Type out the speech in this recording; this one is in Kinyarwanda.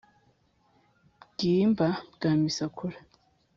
bwimba bwa misakura